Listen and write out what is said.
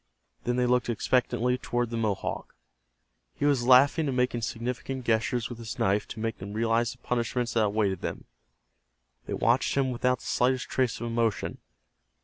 Then they looked expectantly toward the Mohawk. He was laughing and making significant gestures with his knife to make them realize the punishments that awaited them. They watched him without the slightest trace of emotion.